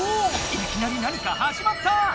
いきなり何かはじまった！